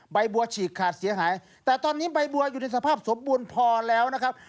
ใบบัวฉีกขาดเสียหายแต่ตอนนี้ใบบัวอยู่ในสภาพสมบูรณ์พอแล้วนะครับ